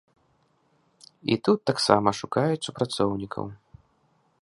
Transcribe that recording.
І тут таксама шукаюць супрацоўнікаў.